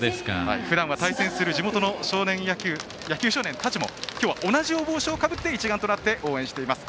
ふだんは対戦する地元の野球少年たちも今日は同じ帽子をかぶって一丸となって応援しています。